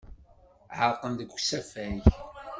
Ɛerqen deg usafag.